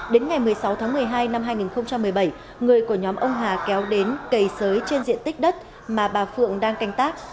đến ngày một mươi sáu tháng một mươi hai năm hai nghìn một mươi bảy người của nhóm ông hà kéo đến cầy sới trên diện tích đất mà bà phượng đang canh tác